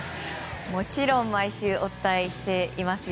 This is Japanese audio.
もちろん毎週お伝えしていますよ。